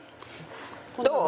どう？